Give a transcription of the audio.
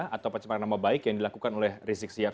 atau pancasila nama baik yang dilakukan oleh rizik siap